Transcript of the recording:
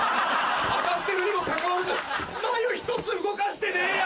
当たってるにもかかわらず眉１つ動かしてねえや！